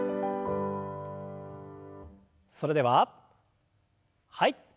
それでははい。